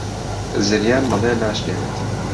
زریان بەڵێن ناشکێنێت.